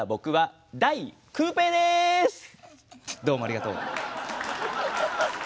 どうもありがとう！